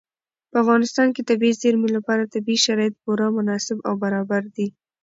په افغانستان کې د طبیعي زیرمې لپاره طبیعي شرایط پوره مناسب او برابر دي.